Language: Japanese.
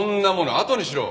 あとにしろ。